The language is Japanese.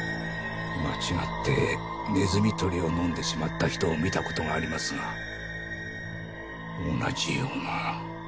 間違ってネズミ捕りを飲んでしまった人を診た事がありますが同じような。